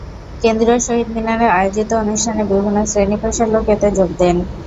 কেন্দ্রীয় শহীদ মিনারে আয়োজিত অনুষ্ঠানে বিভিন্ন শ্রেণী-পেশার লোক এতে যোগ দেন।